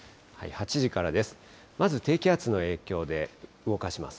８時からです。